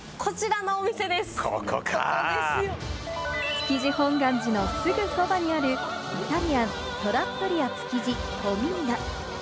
築地本願寺のすぐそばにあるイタリアン、トラットリア築地トミーナ。